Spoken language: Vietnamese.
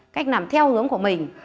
cách nằm theo hướng của mình